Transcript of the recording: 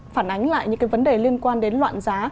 phản ánh lại những cái vấn đề liên quan đến loạn giá